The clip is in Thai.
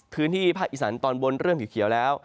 พื้นที่ภาคอีสานตอนบนเริ่มเขียวแล้ว